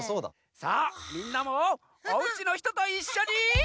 さあみんなもおうちのひとといっしょに。